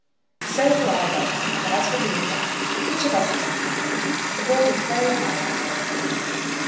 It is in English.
"So do I love her. And as for being bad, which of us isn't bad? The world is very hard on her offence."